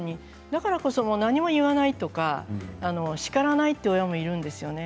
だからこそ何も言わないとか叱らないという親もいるんですよね。